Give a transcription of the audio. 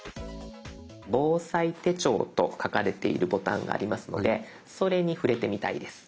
防災手帳と書かれているボタンがありますのでそれに触れてみたいです。